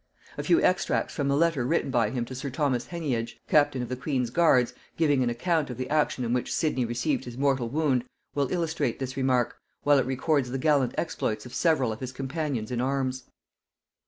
A few extracts from a letter written by him to sir Thomas Heneage, captain of the queen's guards, giving an account of the action in which Sidney received his mortal wound, will illustrate this remark, while it records the gallant exploits of several of his companions in arms.